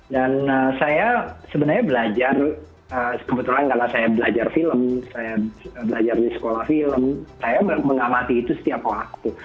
dan saya sebenarnya belajar kebetulan karena saya belajar film saya belajar di sekolah film saya mengamati itu setiap waktu